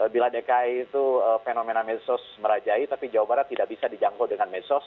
bila dki itu fenomena medsos merajai tapi jawa barat tidak bisa dijangkau dengan medsos